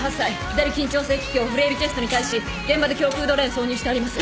左緊張性気胸フレイルチェストに対し現場で胸腔ドレーン挿入してあります。